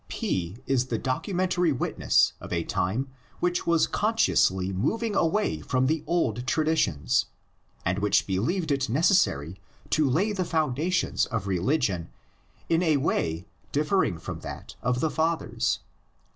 P is the documentary witness of a time which was consciously moving away from the old traditions, and which believed it necessary to lay the founda tions of religion in a way differing from that of the fathers.